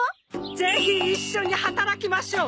ぜひ一緒に働きましょう！